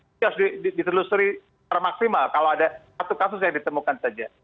itu harus diselusuri termaximal kalau ada satu kasus yang ditemukan saja